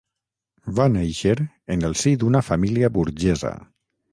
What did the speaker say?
Va néixer en el si d'una família burgesa.